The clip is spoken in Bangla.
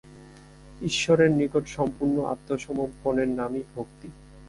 ঈশ্বরের নিকট সম্পূর্ণ আত্মসমর্পণের নামই ভক্তি।